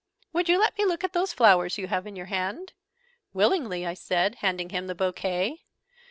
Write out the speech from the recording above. "Would you let me look at those flowers you have in your hand?" "Willingly!" I said, handing him the bouquet.